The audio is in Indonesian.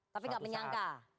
tapi tidak menyangka